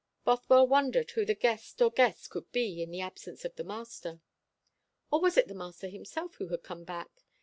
Bothwell wondered who the guest, or guests, could be, in the absence of the master. Or was it the master himself who had come back?